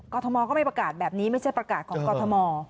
ทมก็ไม่ประกาศแบบนี้ไม่ใช่ประกาศของกรทม